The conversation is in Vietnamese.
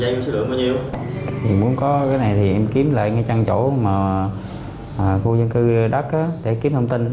nếu muốn có cái này thì em kiếm lại trong chỗ khu dân cư đất để kiếm thông tin